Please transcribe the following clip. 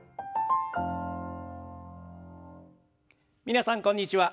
皆さんこんにちは。